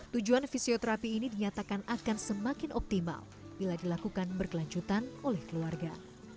tujuan fisioterapi ini dinyatakan akan semakin optimal bila dilakukan berkelanjutan oleh keluarga